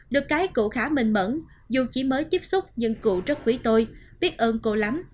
được cái cụ khá mềm mẫn dù chỉ mới tiếp xúc nhưng cụ rất quý tôi biết ơn cô lắm